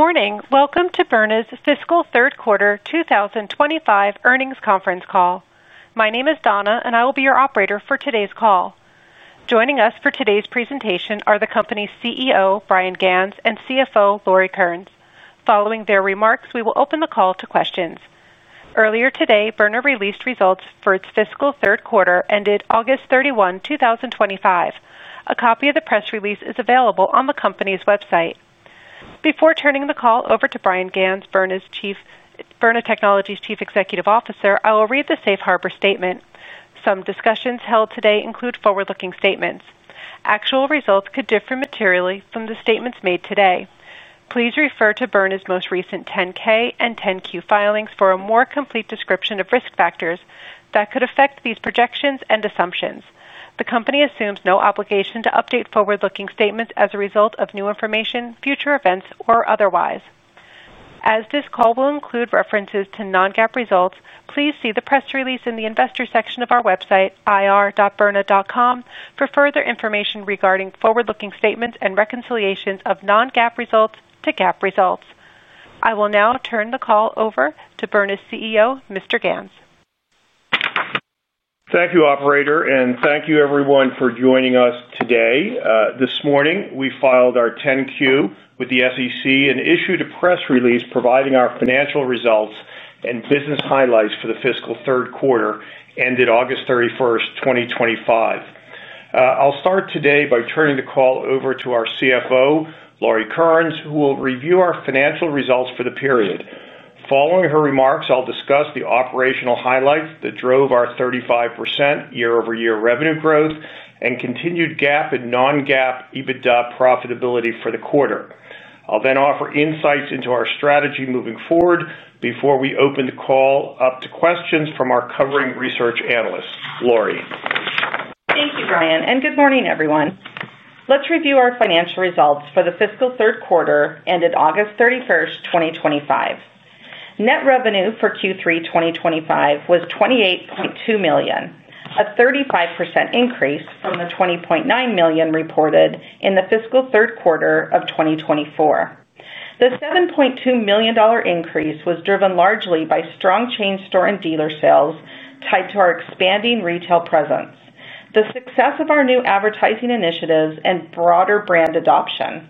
Good morning. Welcome to Byrna's Fiscal Third Quarter 2025 earnings conference call. My name is Donna, and I will be your operator for today's call. Joining us for today's presentation are the company's CEO, Bryan Ganz, and CFO, Lauri Kearnes. Following their remarks, we will open the call to questions. Earlier today, Byrna released results for its fiscal third quarter ended August 31, 2025. A copy of the press release is available on the company's website. Before turning the call over to Bryan Byrna Technology Chief Executive Officer, I will read the safe harbor statement. Some discussions held today include forward-looking statements. Actual results could differ materially from the statements made today. Please refer to Byrna most recent 10-K and 10-Q filings for a more complete description of risk factors that could affect these projections and assumptions. The company assumes no obligation to update forward-looking statements as a result of new information, future events, or otherwise. As this call will include references to non-GAAP results, please see the press release in the investor section of our website, ir.byrna.com, for further information regarding forward-looking statements and reconciliations of non-GAAP results to GAAP results. I will now turn the call Byrna CEO, Mr. Ganz. Thank you, Operator, and thank you, everyone, for joining us today. This morning, we filed our 10-Q with the SEC and issued a press release providing our financial results and business highlights for the fiscal third quarter ended August 31st, 2025. I'll start today by turning the call over to our CFO, Lauri Kearnes, who will review our financial results for the period. Following her remarks, I'll discuss the operational highlights that drove our 35% year-over-year revenue growth and continued GAAP and non-GAAP EBITDA profitability for the quarter. I'll then offer insights into our strategy moving forward before we open the call up to questions from our covering research analyst, Lauri. Thank you, Bryan, and good morning, everyone. Let's review our financial results for the fiscal third quarter ended August 31st, 2025. Net revenue for Q3 2025 was $28.2 million, a 35% increase from the $20.9 million reported in the fiscal third quarter of 2024. The $7.2 million increase was driven largely by strong chain store and dealer sales tied to our expanding retail presence, the success of our new advertising initiatives, and broader brand adoption.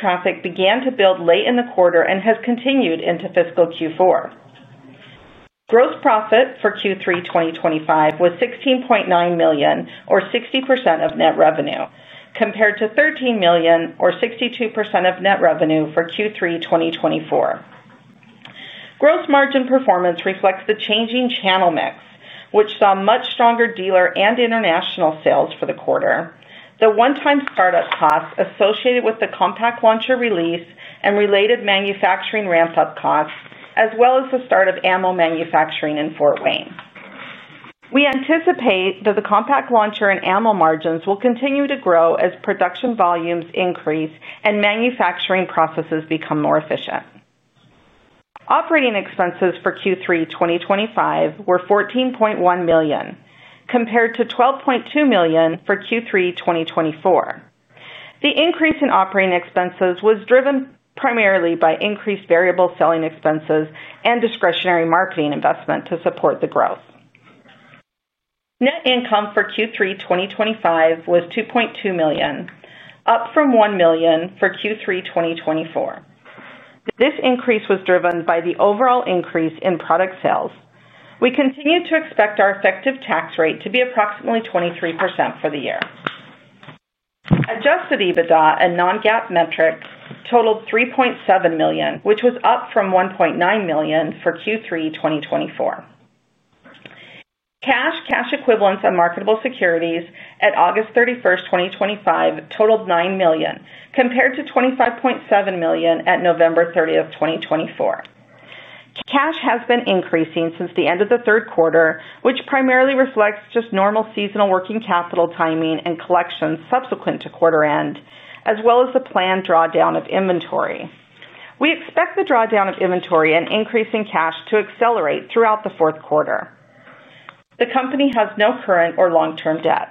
Traffic began to build late in the quarter and has continued into fiscal Q4. Gross profit for Q3 2025 was $16.9 million, or 60% of net revenue, compared to $13 million, or 62% of net revenue for Q3 2024. Gross margin performance reflects the changing channel mix, which saw much stronger dealer and international sales for the quarter, the one-time startup costs associated with the Compact Launcher release and related manufacturing ramp-up costs, as well as the start of ammo manufacturing in Fort Wayne. We anticipate that the Compact Launcher and ammo margins will continue to grow as production volumes increase and manufacturing processes become more efficient. Operating expenses for Q3 2025 were $14.1 million, compared to $12.2 million for Q3 2024. The increase in operating expenses was driven primarily by increased variable selling expenses and discretionary marketing investment to support the growth. Net income for Q3 2025 was $2.2 million, up from $1 million for Q3 2024. This increase was driven by the overall increase in product sales. We continue to expect our effective tax rate to be approximately 23% for the year. Adjusted EBITDA, a non-GAAP metric, totaled $3.7 million, which was up from $1.9 million for Q3 2024. Cash, cash equivalents, and marketable securities at August 31st, 2025 totaled $9 million, compared to $25.7 million at November 30th, 2024. Cash has been increasing since the end of the third quarter, which primarily reflects just normal seasonal working capital timing and collections subsequent to quarter end, as well as the planned drawdown of inventory. We expect the drawdown of inventory and increasing cash to accelerate throughout the fourth quarter. The company has no current or long-term debt.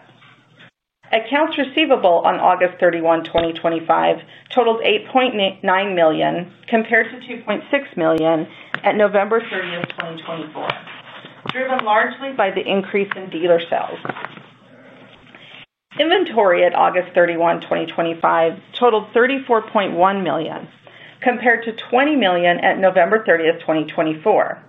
Accounts receivable on August 31, 2025 totaled $8.9 million, compared to $2.6 million at November 30th, 2024, driven largely by the increase in dealer sales. Inventory at August 31, 2025 totaled $34.1 million, compared to $20 million at November 30th, 2024,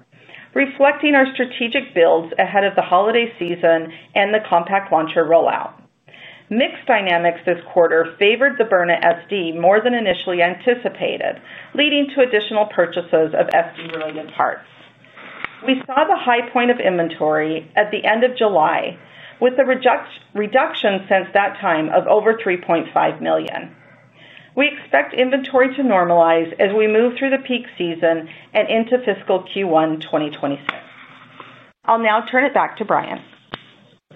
reflecting our strategic builds ahead of the holiday season and the Compact Launcher rollout. Mixed dynamics this quarter favored the Byrna SD more than initially anticipated, leading to additional purchases of SD-related parts. We saw the high point of inventory at the end of July, with a reduction since that time of over $3.5 million. We expect inventory to normalize as we move through the peak season and into fiscal Q1 2026. I'll now turn it back to Bryan.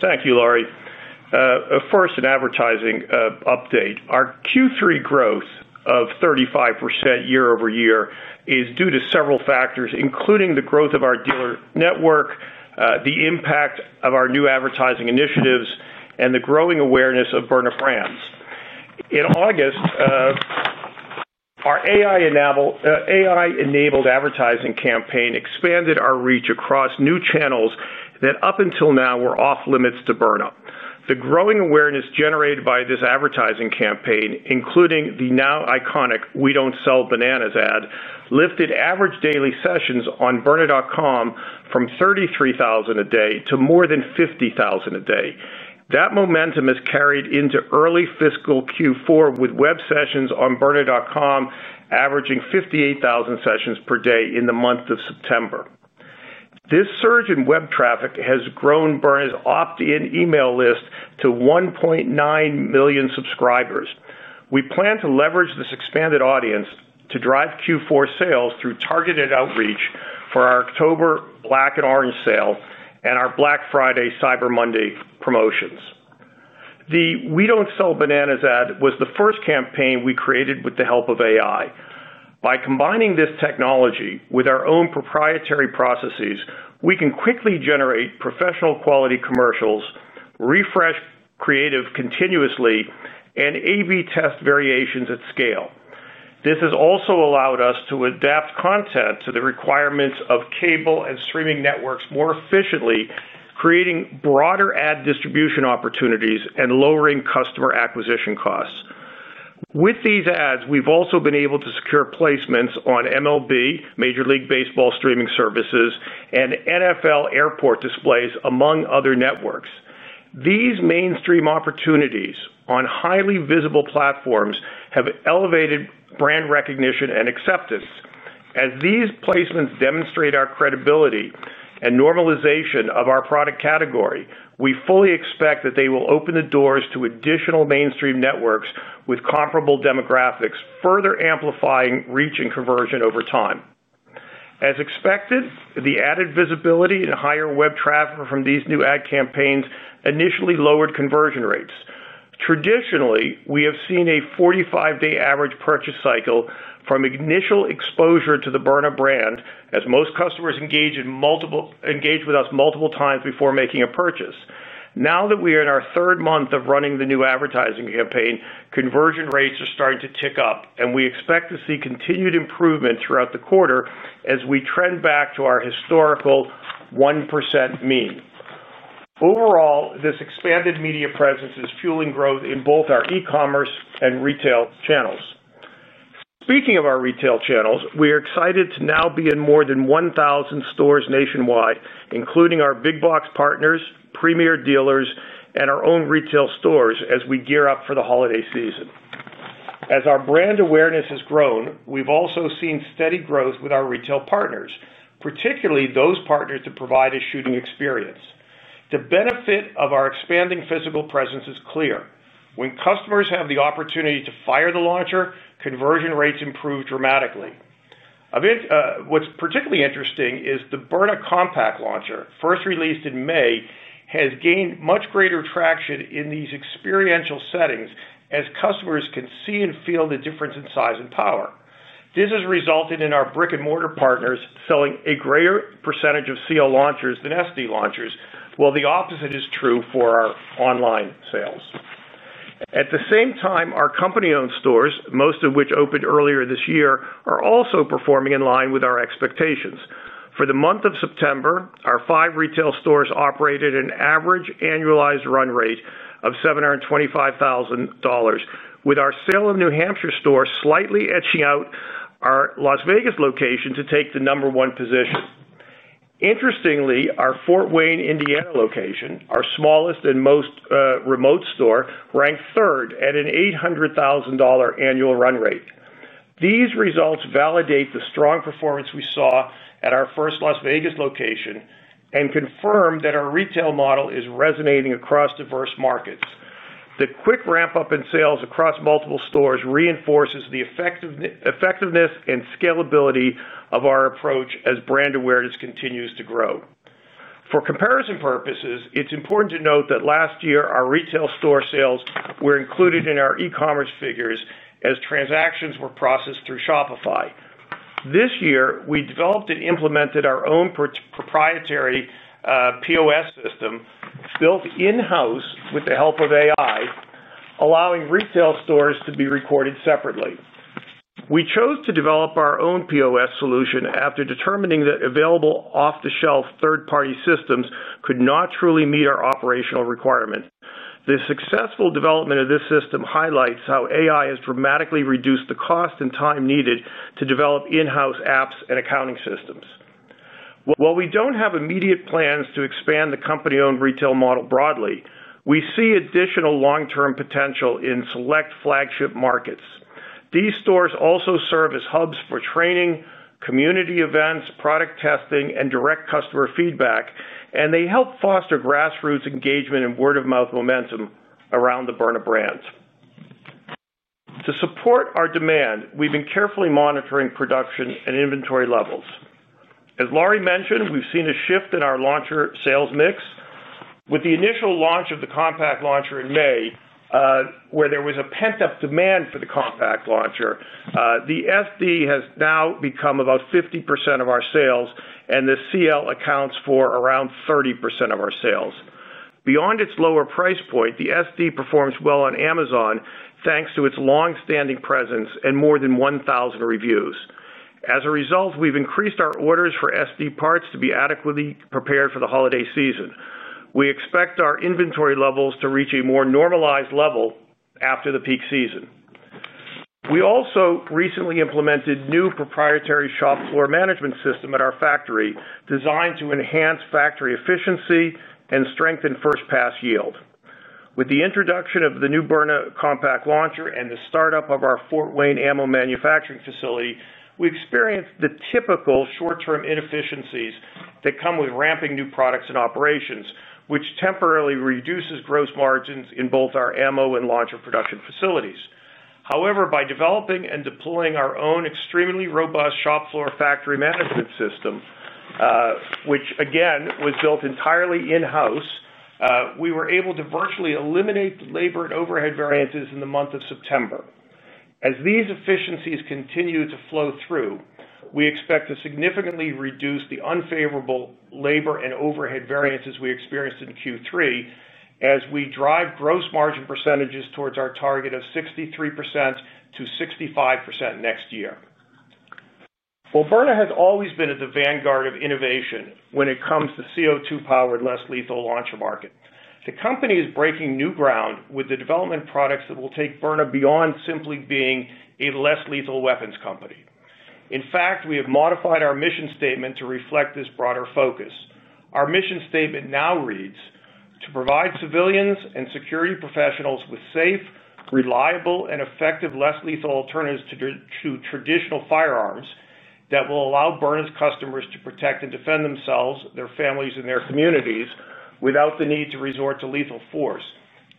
Thank you, Lauri. First, an advertising update. Our Q3 growth of 35% year-over-year is due to several factors, including the growth of our dealer network, the impact of our new advertising initiatives, and the growing awareness of Byrna brands. In August, our AI-driven advertising campaign expanded our reach across new channels that up until now were off-limits to Byrna. The growing awareness generated by this advertising campaign, including the now iconic "We Don't Sell Bananas" ad, lifted average daily sessions on Byrna.com from 33,000 a day to more than 50,000 a day. That momentum is carried into early fiscal Q4 with web sessions on Byrna.com averaging 58,000 sessions per day in the month of September. This surge in web traffic has grown Byrna's opt-in email list to 1.9 million subscribers. We plan to leverage this expanded audience to drive Q4 sales through targeted outreach for our October Black and Orange sale and our Black Friday Cyber Monday promotions. The "We Don't Sell Bananas" ad was the first campaign we created with the help of AI. By combining this technology with our own proprietary processes, we can quickly generate professional-quality commercials, refresh creative continuously, and A/B test variations at scale. This has also allowed us to adapt content to the requirements of cable and streaming networks more efficiently, creating broader ad distribution opportunities and lowering customer acquisition costs. With these ads, we've also been able to secure placements on MLB, Major League Baseball streaming services, and NFL airport displays, among other networks. These mainstream opportunities on highly visible platforms have elevated brand recognition and acceptance. As these placements demonstrate our credibility and normalization of our product category, we fully expect that they will open the doors to additional mainstream networks with comparable demographics, further amplifying reach and conversion over time. As expected, the added visibility and higher web traffic from these new ad campaigns initially lowered conversion rates. Traditionally, we have seen a 45-day average purchase cycle from initial exposure to the Byrna brand, as most customers engage with us multiple times before making a purchase. Now that we are in our third month of running the new advertising campaign, conversion rates are starting to tick up, and we expect to see continued improvement throughout the quarter as we trend back to our historical 1% mean. Overall, this expanded media presence is fueling growth in both our e-commerce and retail channels. Speaking of our retail channels, we are excited to now be in more than 1,000 stores nationwide, including our big-box partners, premier dealers, and our own retail stores as we gear up for the holiday season. As our brand awareness has grown, we've also seen steady growth with our retail partners, particularly those partners that provide a shooting experience. The benefit of our expanding physical presence is clear. When customers have the opportunity to fire the launcher, conversion rates improve dramatically. What's particularly interesting is the Byrna Compact Launcher, first released in May, has gained much greater traction in these experiential settings as customers can see and feel the difference in size and power. This has resulted in our brick-and-mortar partners selling a greater percentage of CL launchers than SD launchers, while the opposite is true for our online sales. At the same time, our company-owned stores, most of which opened earlier this year, are also performing in line with our expectations. For the month of September, our five retail stores operated an average annualized run rate of $725,000, with our Salem, New Hampshire store slightly edging out our Las Vegas location to take the number one position. Interestingly, our Fort Wayne, Indiana location, our smallest and most remote store, ranked third at an $800,000 annual run rate. These results validate the strong performance we saw at our first Las Vegas location and confirm that our retail model is resonating across diverse markets. The quick ramp-up in sales across multiple stores reinforces the effectiveness and scalability of our approach as brand awareness continues to grow. For comparison purposes, it's important to note that last year, our retail store sales were included in our e-commerce figures as transactions were processed through Shopify. This year, we developed and implemented our own proprietary POS system, built in-house with the help of AI, allowing retail stores to be recorded separately. We chose to develop our own POS solution after determining that available off-the-shelf third-party systems could not truly meet our operational requirements. The successful development of this system highlights how AI has dramatically reduced the cost and time needed to develop in-house apps and accounting systems. While we don't have immediate plans to expand the company-owned retail model broadly, we see additional long-term potential in select flagship markets. These stores also serve as hubs for training, community events, product testing, and direct customer feedback, and they help foster grassroots engagement and word-of-mouth momentum around the Byrna brands. To support our demand, we've been carefully monitoring production and inventory levels. As Lauri mentioned, we've seen a shift in our launcher sales mix with the initial launch of the Compact Launcher in May, where there was a pent-up demand for the Compact Launcher. The SD has now become about 50% of our sales, and the CL accounts for around 30% of our sales. Beyond its lower price point, the SD performs well on Amazon thanks to its longstanding presence and more than 1,000 reviews. As a result, we've increased our orders for SD parts to be adequately prepared for the holiday season. We expect our inventory levels to reach a more normalized level after the peak season. We also recently implemented a new proprietary shop floor management system at our factory, designed to enhance factory efficiency and strengthen first-pass yield. With the introduction of the new Byrna Compact Launcher and the startup of our Fort Wayne ammo manufacturing facility, we experienced the typical short-term inefficiencies that come with ramping new products and operations, which temporarily reduces gross margins in both our ammo and launcher production facilities. However, by developing and deploying our own extremely robust shop floor factory management system, which again was built entirely in-house, we were able to virtually eliminate the labor and overhead variances in the month of September. As these efficiencies continue to flow through, we expect to significantly reduce the unfavorable labor and overhead variances we experienced in Q3 as we drive gross margin percentages towards our target of 63%-65% next year. While Byrna has always been at the vanguard of innovation when it comes to CO2-powered less lethal launcher markets, the company is breaking new ground with the development of products that take Byrna beyond simply being a less lethal weapons company. In fact, we have modified our mission statement to reflect this broader focus. Our mission statement now reads: to provide civilians and security professionals with safe, reliable, and effective less lethal alternatives to traditional firearms that will allow Byrna's customers to protect and defend themselves, their families, and their communities without the need to resort to lethal force,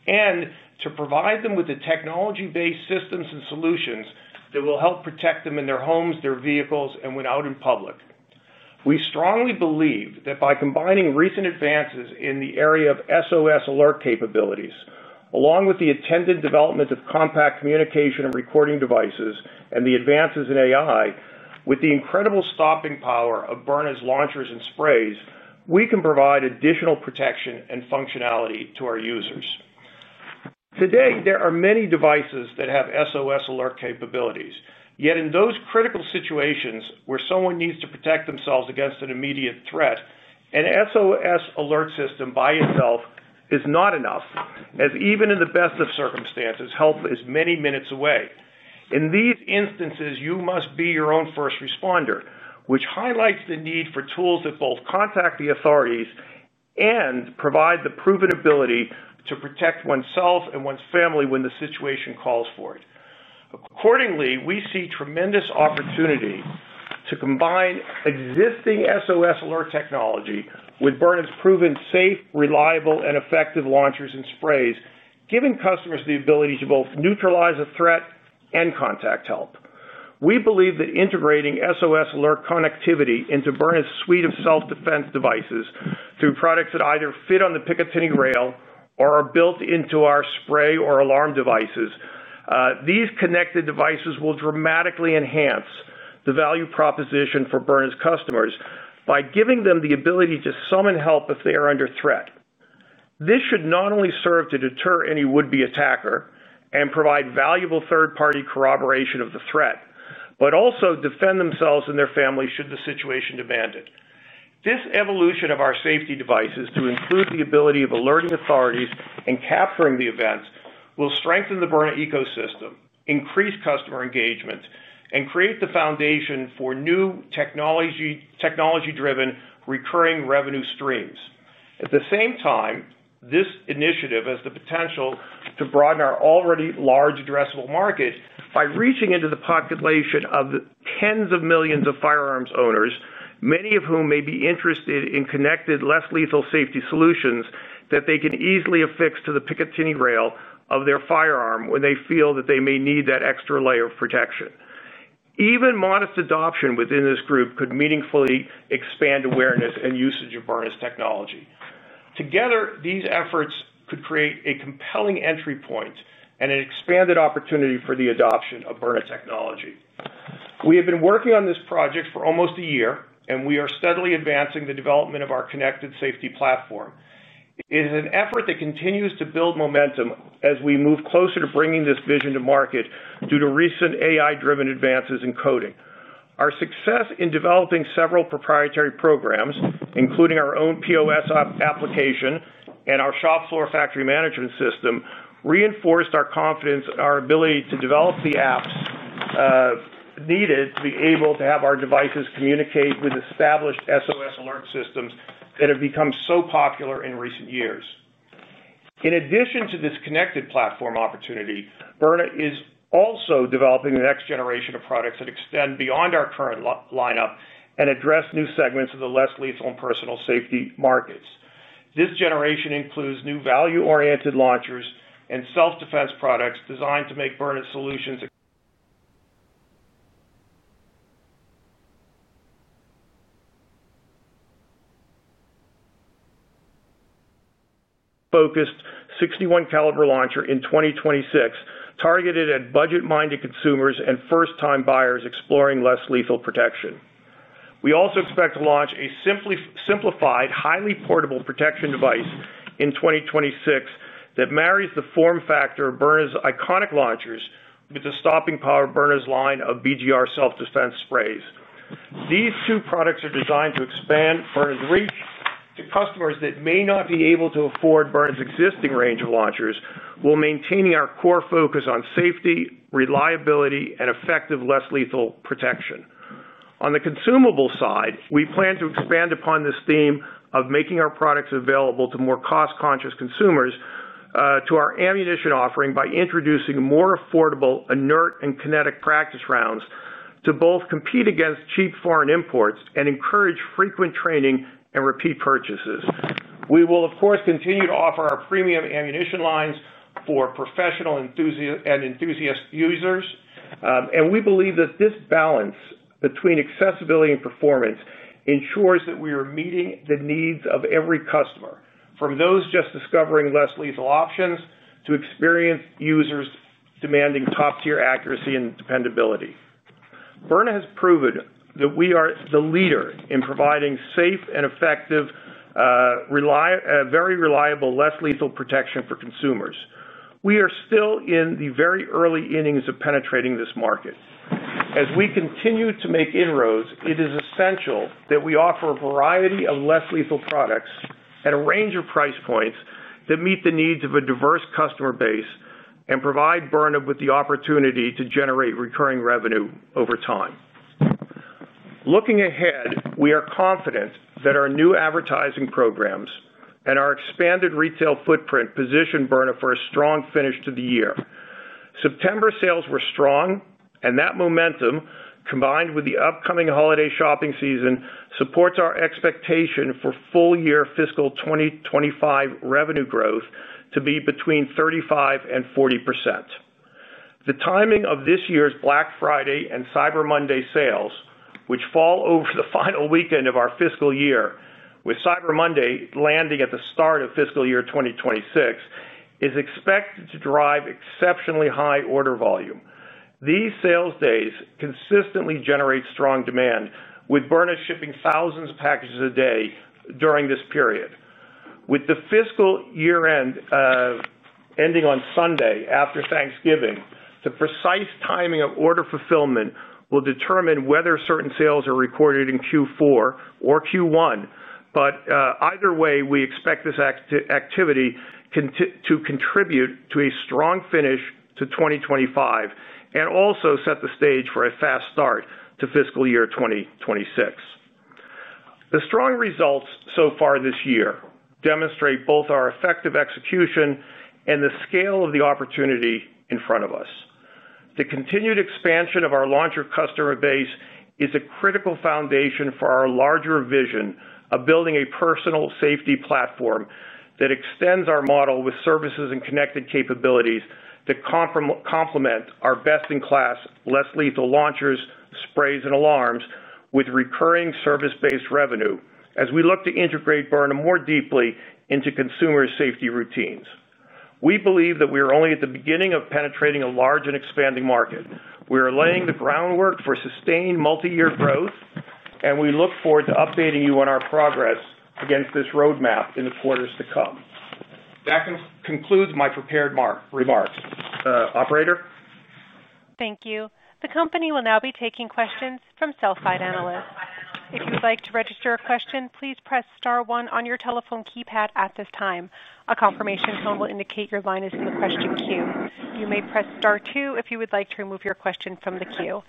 and to provide them with the technology-based systems and solutions that will help protect them in their homes, their vehicles, and when out in public. We strongly believe that by combining recent advances in the area of SOS alert capabilities, along with the attendant development of compact communication and recording devices and the advances in AI, with the incredible stopping power of Byrna's launchers and sprays, we can provide additional protection and functionality to our users. Today, there are many devices that have SOS alert capabilities, yet in those critical situations where someone needs to protect themselves against an immediate threat, an SOS alert system by itself is not enough, as even in the best of circumstances, help is many minutes away. In these instances, you must be your own first responder, which highlights the need for tools that both contact the authorities and provide the proven ability to protect oneself and one's family when the situation calls for it. Accordingly, we see tremendous opportunity to combine existing SOS alert technology with Byrna's proven safe, reliable, and effective launchers and sprays, giving customers the ability to both neutralize a threat and contact help. We believe that integrating SOS alert connectivity into Byrna's suite of self-defense devices through products that either fit on the Picatinny rail or are built into our spray or alarm devices, these connected devices will dramatically enhance the value proposition for Byrna's customers by giving them the ability to summon help if they are under threat. This should not only serve to deter any would-be attacker and provide valuable third-party corroboration of the threat, but also defend themselves and their families should the situation demand it. This evolution of our safety devices to include the ability of alerting authorities and capturing the events will strengthen the Byrna ecosystem, increase customer engagement, and create the foundation for new technology-driven recurring revenue streams. At the same time, this initiative has the potential to broaden our already large addressable market by reaching into the population of tens of millions of firearms owners, many of whom may be interested in connected less lethal safety solutions that they can easily affix to the Picatinny rail of their firearm when they feel that they may need that extra layer of protection. Even modest adoption within this group could meaningfully expand awareness and usage of Byrna's technology. Together, these efforts could create a compelling entry point and an expanded opportunity for the adoption ofByrna We have been working on this project for almost a year, and we are steadily advancing the development of our connected safety platform. It is an effort that continues to build momentum as we move closer to bringing this vision to market due to recent AI-driven advances in coding. Our success in developing several proprietary programs, including our own POS application and our shop floor factory management system, reinforced our confidence in our ability to develop the apps needed to be able to have our devices communicate with established SOS alert systems that have become so popular in recent years. In addition to this connected opportunity, Byrna is also developing the next generation of products that extend beyond our current lineup and address new segments of the less lethal and personal safety markets. This generation includes new value-oriented launchers and self-defense products designed to make Byrna solutions focused. A value-oriented 61-caliber launcher in 2026 targeted at budget-minded consumers and first-time buyers exploring less lethal protection. We also expect to launch a simplified, highly portable protection device in 2026 that marries the form factor of Byrna's iconic launchers with the stopping power of Byrna's line of BGR self-defense sprays. These two products are designed to expand [furthering] to customers that may not be able to afford Byrna's existing range of launchers while maintaining our core focus on safety, reliability, and effective less lethal protection. On the consumable side, we plan to expand upon this theme of making our products available to more cost-conscious consumers through our ammunition offering by introducing more affordable inert and kinetic practice rounds to both compete against cheap foreign imports and encourage frequent training and repeat purchases. We will, of course, continue to offer our premium ammunition lines for professional and enthusiast users, and we believe that this balance between accessibility and performance ensures that we are meeting the needs of every customer, from those just discovering less lethal options to experienced users demanding top-tier accuracy and dependability. Byrna has proven that we are the leader in providing safe and effective, very reliable less lethal protection for consumers. We are still in the very early innings of penetrating this market. As we continue to make inroads, it is essential that we offer a variety of less lethal products at a range of price points that meet the needs of a diverse customer base and provide Byrna with the opportunity to generate recurring revenue over time. Looking ahead, we are confident that our new advertising programs and our expanded retail footprint position Byrna for a strong finish to the year. September sales were strong, and that momentum, combined with the upcoming holiday shopping season, supports our expectation for full-year fiscal 2025 revenue growth to be between 35% and 40%. The timing of this year's Black Friday and Cyber Monday sales, which fall over the final weekend of our fiscal year, with Cyber Monday landing at the start of fiscal year 2026, is expected to drive exceptionally high order volume. These sales days consistently generate strong demand, with Byrna shipping thousands of packages a day during this period. With the fiscal year end ending on Sunday after Thanksgiving, the precise timing of order fulfillment will determine whether certain sales are recorded in Q4 or Q1. Either way, we expect this activity to contribute to a strong finish to 2025 and also set the stage for a fast start to fiscal year 2026. The strong results so far this year demonstrate both our effective execution and the scale of the opportunity in front of us. The continued expansion of our launcher customer base is a critical foundation for our larger vision of building a personal safety platform that extends our model with services and connected capabilities to complement our best-in-class less lethal launchers, sprays, and alarms with recurring service-based revenue as we look to integrate Byrna more deeply into consumer safety routines. We believe that we are only at the beginning of penetrating a large and expanding market. We are laying the groundwork for sustained multi-year growth, and we look forward to updating you on our progress against this roadmap in the quarters to come. That concludes my prepared remark. Operator. Thank you. The company will now be taking questions from sell-side analysts. If you would like to register a question, please press star one on your telephone keypad at this time. A confirmation tone will indicate your line is in the question queue. You may press star two if you would like to remove your question from the queue.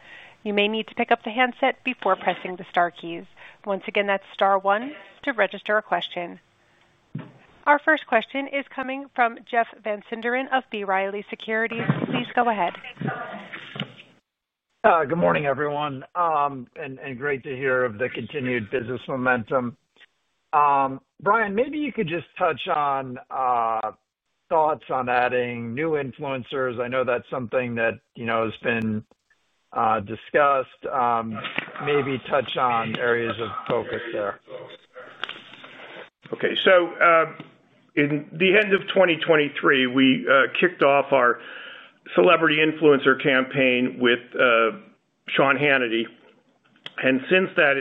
You may need to pick up the handset before pressing the star keys. Once again, that's star one to register a question. Our first question is coming from Jeff Van Sinderen of B. Riley Securities. Please go ahead. Good morning, everyone, and great to hear of the continued business momentum. Bryan, maybe you could just touch on thoughts on adding new influencers. I know that's something that has been discussed. Maybe touch on areas of focus there. Okay. In the end of 2023, we kicked off our celebrity influencer campaign with Sean Hannity, and since that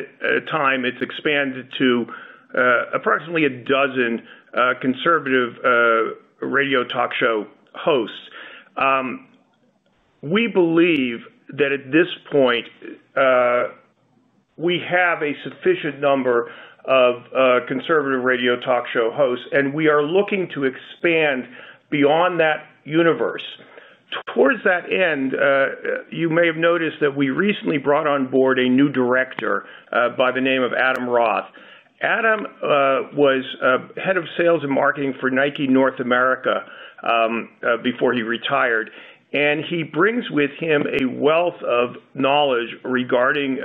time, it's expanded to approximately a dozen conservative radio talk show hosts. We believe that at this point, we have a sufficient number of conservative radio talk show hosts, and we are looking to expand beyond that universe. Towards that end, you may have noticed that we recently brought on board a new director by the name of Adam Roth. Adam was Head of Sales and Marketing for Nike North America before he retired, and he brings with him a wealth of knowledge regarding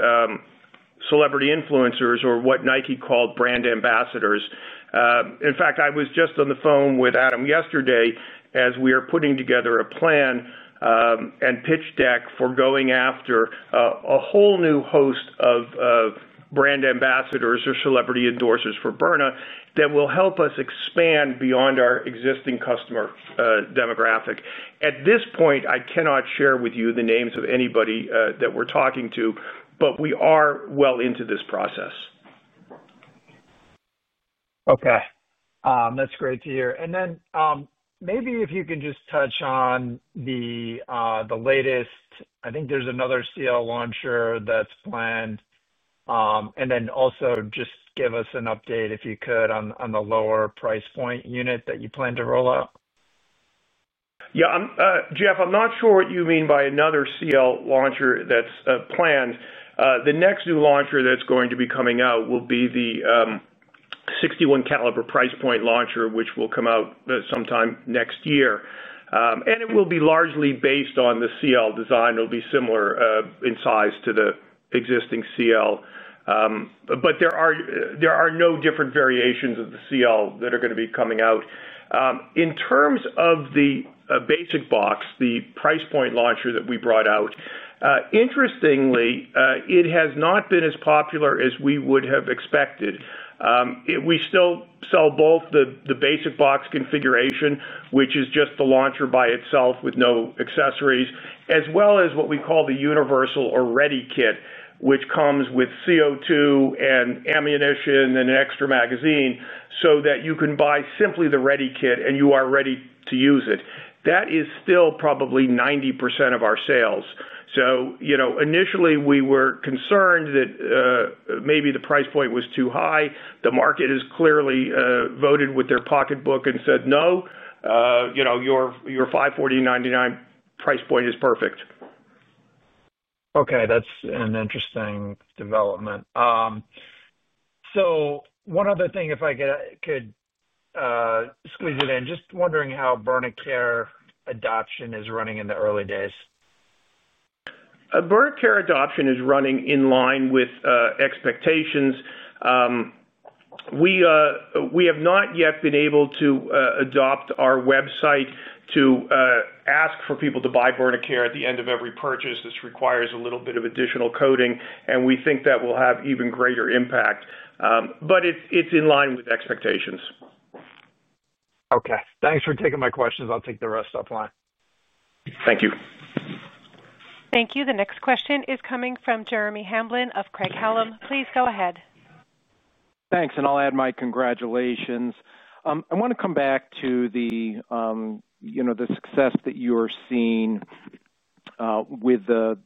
celebrity influencers or what Nike called brand ambassadors. In fact, I was just on the phone with Adam yesterday as we are putting together a plan and pitch deck for going after a whole new host of brand ambassadors or celebrity endorsers for Byrna that will help us expand beyond our existing customer demographic. At this point, I cannot share with you the names of anybody that we're talking to, but we are well into this process. Okay. That's great to hear. Maybe if you can just touch on the latest, I think there's another CL launcher that's planned, and then also just give us an update if you could on the lower price point unit that you plan to roll out. Yeah. Jeff, I'm not sure what you mean by another CL launcher that's planned. The next new launcher that's going to be coming out will be the 61-caliber [price point] launcher, which will come out sometime next year, and it will be largely based on the CL design. It'll be similar in size to the existing CL, but there are no different variations of the CL that are going to be coming out. In terms of the basic box, the price point launcher that we brought out, interestingly, it has not been as popular as we would have expected. We still sell both the basic box configuration, which is just the launcher by itself with no accessories, as well as what we call the universal or ready kit, which comes with CO2 and ammunition and an extra magazine so that you can buy simply the ready kit and you are ready to use it. That is still probably 90% of our sales. Initially, we were concerned that maybe the price point was too high. The market has clearly voted with their pocketbook and said, "No, you know, your $549.99 price point is perfect." That's an interesting development. One other thing, if I could squeeze it in, just wondering how ByrnaCare adoption is running in the early days. ByrnaCare adoption is running in line with expectations. We have not yet been able to adapt our website to ask for people to buy ByrnaCare at the end of every purchase. This requires a little bit of additional coding, and we think that will have even greater impact, but it's in line with expectations. Thanks for taking my questions. I'll take the rest offline. Thank you. Thank you. The next question is coming from Jeremy Hamblin of Craig-Hallum. Please go ahead. Thanks, and I'll add my congratulations. I want to come back to the success that you are seeing with the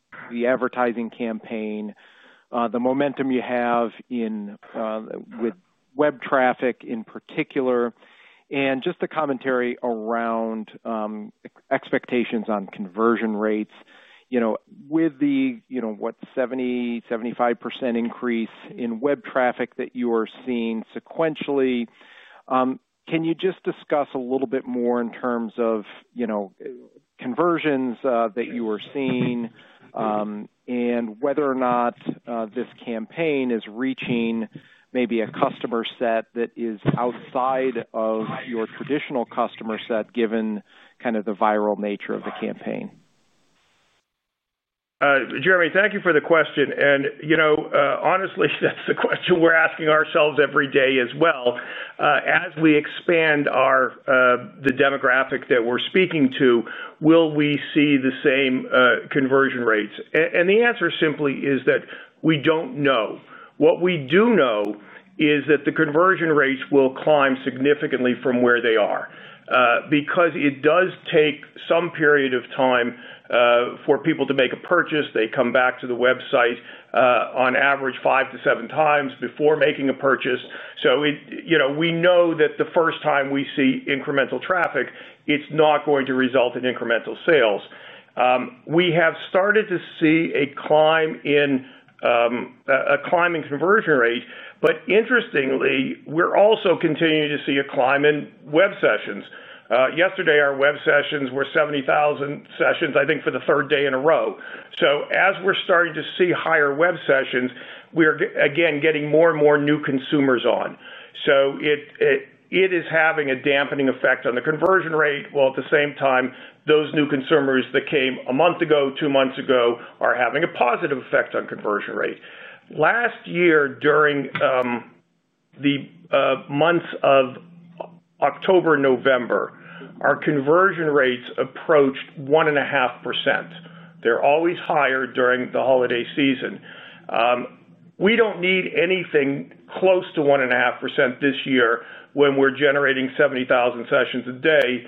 advertising campaign, the momentum you have with web traffic in particular, and just the commentary around expectations on conversion rates. With the 70%, 75% increase in web traffic that you are seeing sequentially, can you just discuss a little bit more in terms of conversions that you are seeing and whether or not this campaign is reaching maybe a customer set that is outside of your traditional customer set, given kind of the viral nature of the campaign? Jeremy, thank you for the question. Honestly, that's the question we're asking ourselves every day as well. As we expand the demographic that we're speaking to, will we see the same conversion rates? The answer simply is that we don't know. What we do know is that the conversion rates will climb significantly from where they are because it does take some period of time for people to make a purchase. They come back to the website on average five to seven times before making a purchase. We know that the first time we see incremental traffic, it's not going to result in incremental sales. We have started to see a climb in conversion rate, but interestingly, we're also continuing to see a climb in web sessions. Yesterday, our web sessions were 70,000 sessions, I think, for the third day in a row. As we're starting to see higher web sessions, we are again getting more and more new consumers on. It is having a dampening effect on the conversion rate, while at the same time, those new consumers that came a month ago, two months ago, are having a positive effect on conversion rate. Last year, during the months of October and November, our conversion rates approached 1.5%. They're always higher during the holiday season. We don't need anything close to 1.5% this year when we're generating 70,000 sessions a day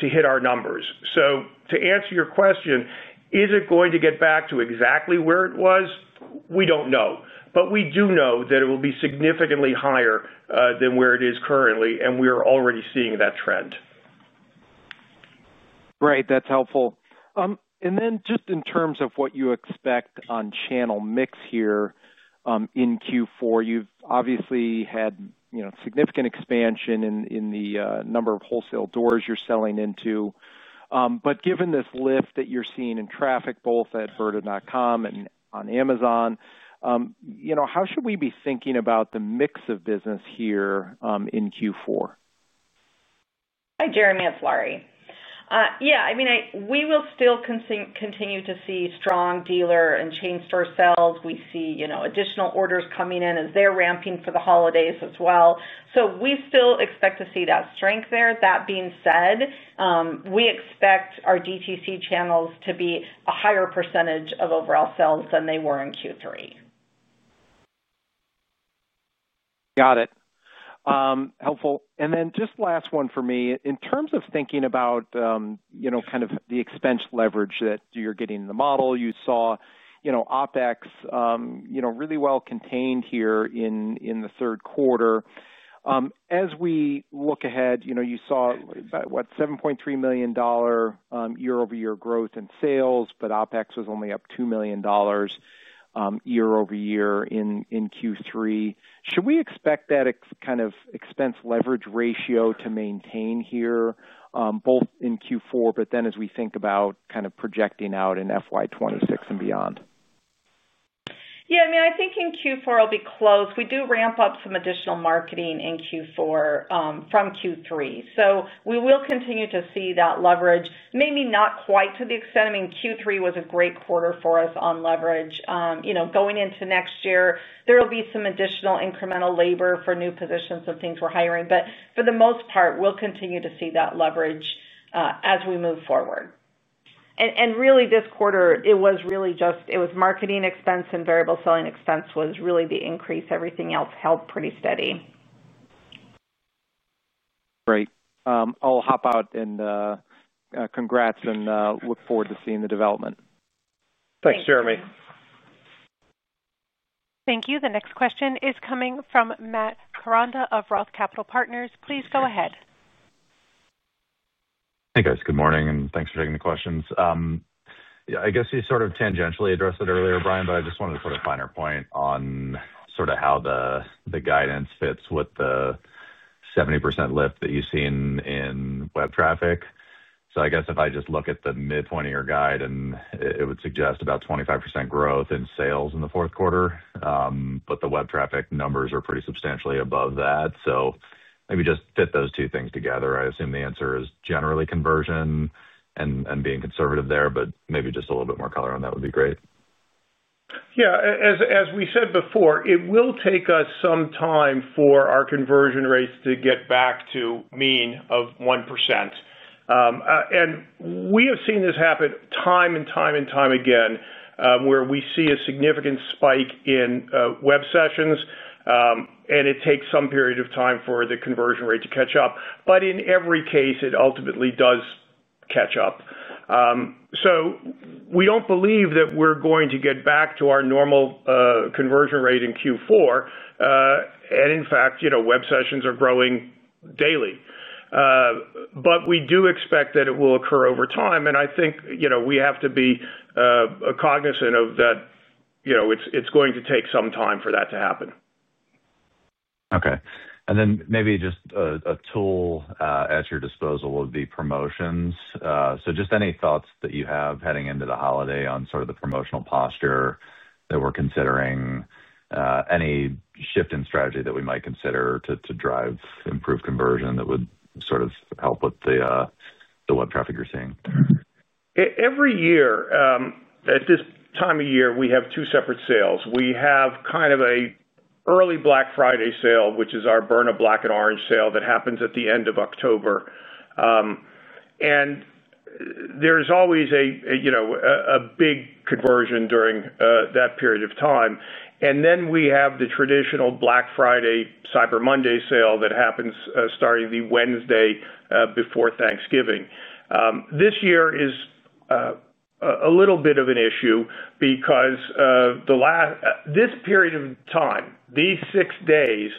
to hit our numbers. To answer your question, is it going to get back to exactly where it was? We don't know. We do know that it will be significantly higher than where it is currently, and we are already seeing that trend. Great. That's helpful. In terms of what you expect on channel mix here in Q4, you've obviously had significant expansion in the number of wholesale doors you're selling into. Given this lift that you're seeing in traffic, both at byrna.com and on Amazon, how should we be thinking about the mix of business here in Q4? Hi, Jeremy. It's Lauri. Yeah, I mean, we will still continue to see strong dealer and chain store sales. We see, you know, additional orders coming in as they're ramping for the holidays as well. We still expect to see that strength there. That being said, we expect our DTC channels to be a higher percentage of overall sales than they were in Q3. Got it. Helpful. Just last one for me. In terms of thinking about, you know, kind of the expense leverage that you're getting in the model, you saw, you know, OpEx, you know, really well contained here in the third quarter. As we look ahead, you know, you saw, what, $7.3 million year-over-year growth in sales, but OpEx was only up $2 million year-over-year in Q3. Should we expect that kind of expense leverage ratio to maintain here both in Q4, but then as we think about kind of projecting out in FY 2026 and beyond? Yeah, I mean, I think in Q4 it'll be close. We do ramp up some additional marketing in Q4 from Q3. We will continue to see that leverage, maybe not quite to the extent. I mean, Q3 was a great quarter for us on leverage. Going into next year, there will be some additional incremental labor for new positions and things we're hiring. For the most part, we'll continue to see that leverage as we move forward. This quarter, it was really just marketing expense and variable selling expense was really the increase. Everything else held pretty steady. Great. I'll hop out and congrats and look forward to seeing the development. Thanks, Jeremy. Thank you. The next question is coming from Matt Koranda of ROTH Capital Partners. Please go ahead. Hey, guys. Good morning, and thanks for taking the questions. I guess you sort of tangentially addressed it earlier, Bryan, but I just wanted to put a finer point on sort of how the guidance fits with the 70% lift that you've seen in web traffic. If I just look at the midpoint of your guide, it would suggest about 25% growth in sales in the fourth quarter, but the web traffic numbers are pretty substantially above that. Maybe just fit those two things together. I assume the answer is generally conversion and being conservative there, but maybe just a little bit more color on that would be great. Yeah, as we said before, it will take us some time for our conversion rates to get back to a mean of 1%. We have seen this happen time and time and time again where we see a significant spike in web sessions, and it takes some period of time for the conversion rate to catch up. In every case, it ultimately does catch up. We don't believe that we're going to get back to our normal conversion rate in Q4. In fact, web sessions are growing daily. We do expect that it will occur over time, and I think we have to be cognizant of that. It's going to take some time for that to happen. Okay. Maybe just a tool at your disposal would be promotions. Any thoughts that you have heading into the holiday on sort of the promotional posture that we're considering, any shift in strategy that we might consider to drive improved conversion that would help with the web traffic you're seeing? Every year, at this time of year, we have two separate sales. We have kind of an early Black Friday sale, which is our Byrna Black and Orange sale that happens at the end of October. There's always a big conversion during that period of time. We have the traditional Black Friday Cyber Monday sale that happens starting the Wednesday before Thanksgiving. This year is a little bit of an issue because this period of time, these six days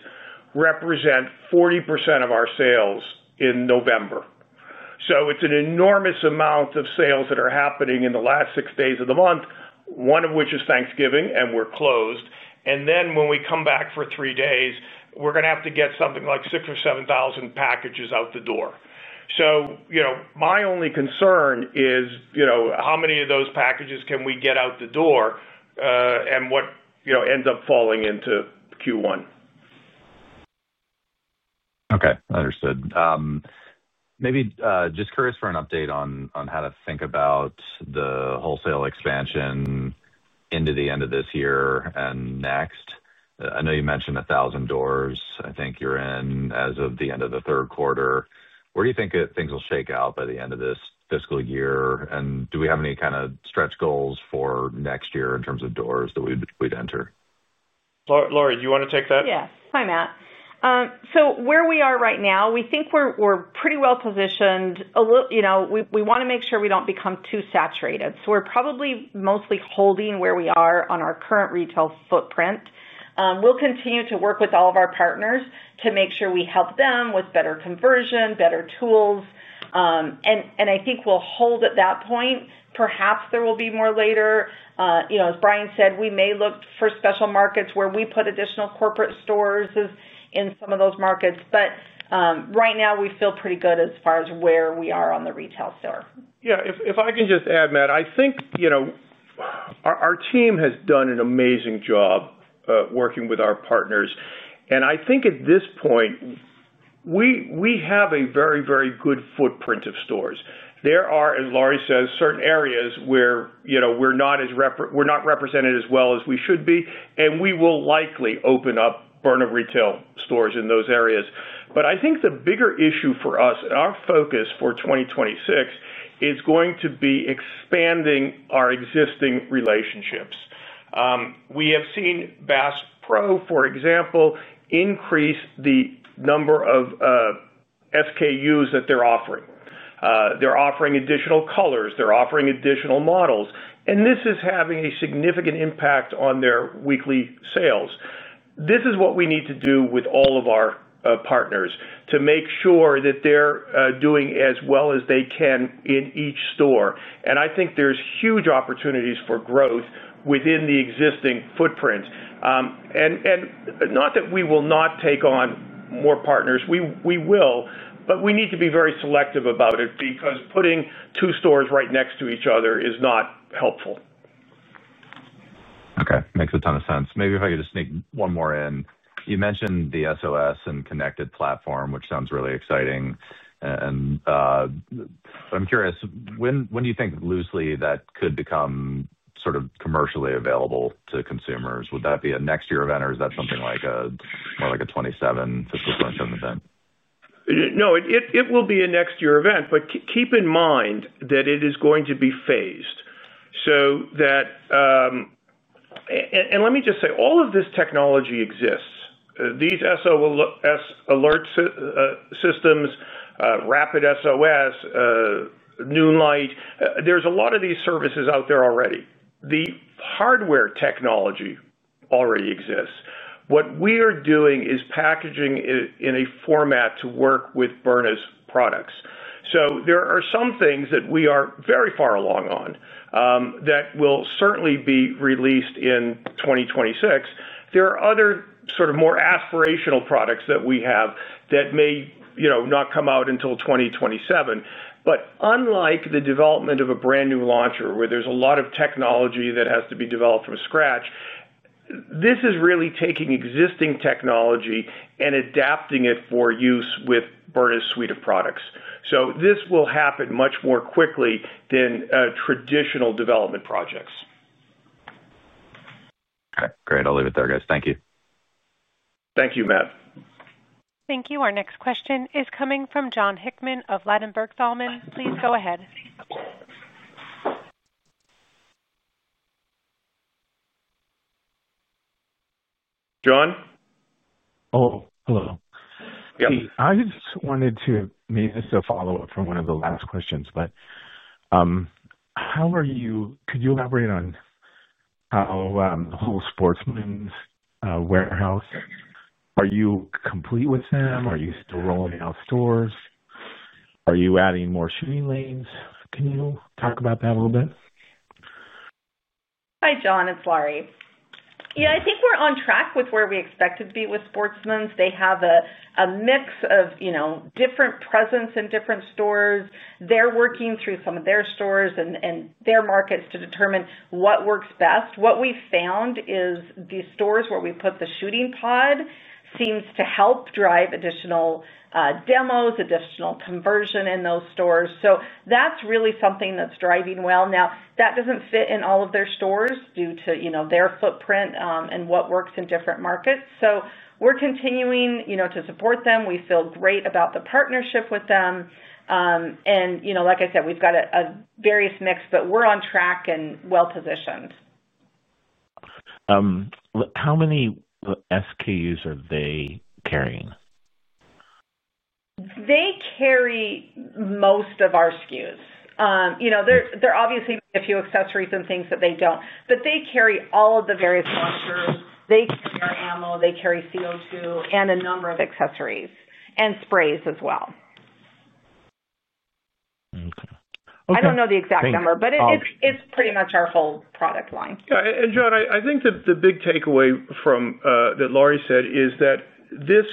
represent 40% of our sales in November. It's an enormous amount of sales that are happening in the last six days of the month, one of which is Thanksgiving, and we're closed. When we come back for three days, we're going to have to get something like 6,000 or 7,000 packages out the door. My only concern is how many of those packages can we get out the door and what ends up falling into Q1. Okay, understood. Maybe just curious for an update on how to think about the wholesale expansion into the end of this year and next. I know you mentioned 1,000 doors, I think you're in as of the end of the third quarter. Where do you think things will shake out by the end of this fiscal year? Do we have any kind of stretch goals for next year in terms of doors that we'd enter? Lauri, do you want to take that? Yes. Hi, Matt. Where we are right now, we think we're pretty well positioned. We want to make sure we don't become too saturated. We're probably mostly holding where we are on our current retail footprint. We'll continue to work with all of our partners to make sure we help them with better conversion, better tools. I think we'll hold at that point. Perhaps there will be more later. As Bryan said, we may look for special markets where we put additional corporate stores in some of those markets. Right now, we feel pretty good as far as where we are on the retail store. Yeah, if I can just add, Matt, I think our team has done an amazing job working with our partners. I think at this point, we have a very, very good footprint of stores. There are, as Lauri says, certain areas where we're not represented as well as we should be, and we will likely open up Byrna retail stores in those areas. I think the bigger issue for us and our focus for 2026 is going to be expanding our existing relationships. We have seen Bass Pro, for example, increase the number of SKUs that they're offering. They're offering additional colors. They're offering additional models. This is having a significant impact on their weekly sales. This is what we need to do with all of our partners to make sure that they're doing as well as they can in each store. I think there's huge opportunities for growth within the existing footprint. Not that we will not take on more partners. We will, but we need to be very selective about it because putting two stores right next to each other is not helpful. Okay, makes a ton of sense. Maybe if I could just sneak one more in. You mentioned the SOS alert technology and connected safety platform, which sounds really exciting. I'm curious, when do you think loosely that could become sort of commercially available to consumers? Would that be a next-year event or is that something more like a 2027 fiscal 2027 event? No, it will be a next-year event, but keep in mind that it is going to be phased so that, and let me just say, all of this technology exists. These SOS alert systems, Rapid SOS, Noonlight, there's a lot of these services out there already. The hardware technology already exists. What we are doing is packaging it in a format to work with Byrna's products. There are some things that we are very far along on that will certainly be released in 2026. There are other sort of more aspirational products that we have that may not come out until 2027. Unlike the development of a brand new launcher where there's a lot of technology that has to be developed from scratch, this is really taking existing technology and adapting it for use with Byrna's suite of products. This will happen much more quickly than traditional development projects. Okay, great. I'll leave it there, guys. Thank you. Thank you, Matt. Thank you. Our next question is coming from Jon Hickman of Ladenburg Thalmann. Please go ahead. John? Oh, hello. Yeah. I just wanted to, I mean, it's a follow-up from one of the last questions. How are you, could you elaborate on how the whole Sportsman's Warehouse, are you complete with them? Are you still rolling out stores? Are you adding more shooting lanes? Can you talk about that a little bit? Hi, John. It's Lauri. Yeah, I think we're on track with where we expect to be with Sportsman's. They have a mix of, you know, different presence in different stores. They're working through some of their stores and their markets to determine what works best. What we've found is the stores where we put the shooting pod seem to help drive additional demos, additional conversion in those stores. That's really something that's driving well. That doesn't fit in all of their stores due to, you know, their footprint and what works in different markets. We're continuing, you know, to support them. We feel great about the partnership with them. Like I said, we've got a various mix, but we're on track and well positioned. How many SKUs are they carrying? They carry most of our SKUs. There are obviously a few accessories and things that they don't, but they carry all of the various launchers. They carry ammo, they carry CO2, and a number of accessories and sprays as well. Okay. I don't know the exact number, but it's pretty much our whole product line. I think the big takeaway from that Lauri said is that this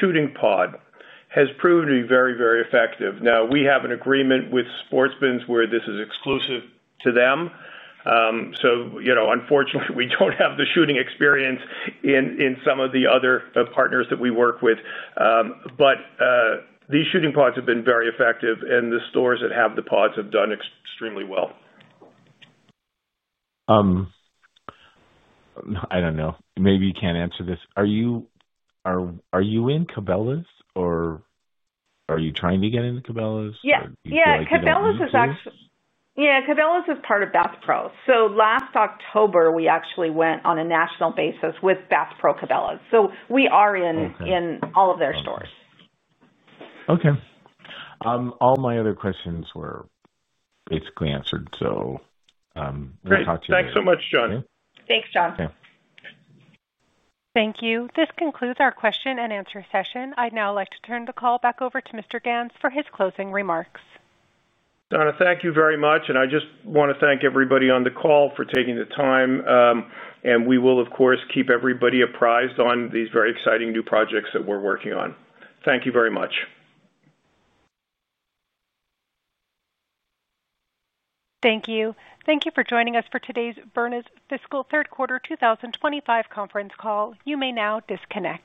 shooting pod has proven to be very, very effective. We have an agreement with Sportsman's where this is exclusive to them. Unfortunately, we don't have the shooting experience in some of the other partners that we work with. These shooting pods have been very effective, and the stores that have the pods have done extremely well. I don't know. Maybe you can't answer this. Are you in Cabela’s or are you trying to get into Cabela’s? Cabela's is actually part of Bass Pro. Last October, we actually went on a national basis with Bass Pro Cabela's, so we are in all of their stores. Okay. All my other questions were basically answered. Very talk to you. Thanks so much, Jon. Thanks, Jon. Same. Thank you. This concludes our question-and-answer session. I'd now like to turn the call back over to Mr. Ganz for his closing remarks. Donna, thank you very much. I just want to thank everybody on the call for taking the time. We will, of course, keep everybody apprised on these very exciting new projects that we're working on. Thank you very much. Thank you. Thank you for joining us today for Byrna's fiscal third quarter 2025 conference call. You may now disconnect.